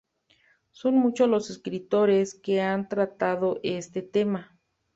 Son muchos los escritores que han tratado este tema.